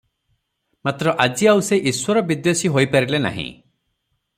ମାତ୍ର ଆଜି ଆଉ ସେ ଈଶ୍ୱରବିଦ୍ୱେଷୀ ହୋଇପାରିଲେ ନାହିଁ ।